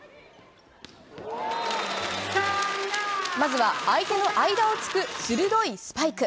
まずは相手の間を突く鋭いスパイク。